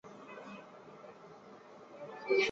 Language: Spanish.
En Final Battle, derrotaron a Outlaw, Inc.